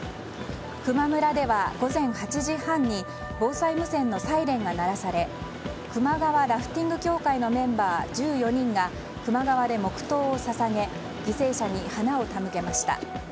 球磨村では午前８時半に防災無線のサイレンが鳴らされ球磨川ラフティング協会のメンバー１４人が球磨川で黙祷を捧げ犠牲者に花を手向けました。